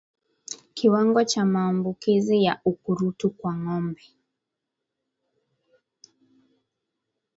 Kiwango cha maambukizi ya ukurutu kwa ngombe